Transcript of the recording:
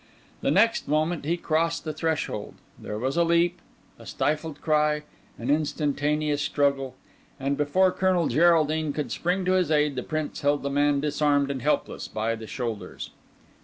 The next moment he crossed the threshold. There was a leap, a stifled cry, an instantaneous struggle; and before Colonel Geraldine could spring to his aid, the Prince held the man disarmed and helpless, by the shoulders.